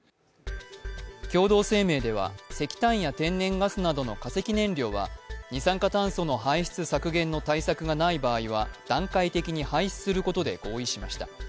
共同声明では石炭や天然ガスなどの化石燃料は二酸化炭素の排出削減の対策がない場合は段階的に廃止することで合意しました。